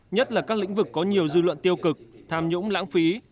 nhất là các lĩnh vực có nhiều dư luận tiêu cực tham nhũng lãng phí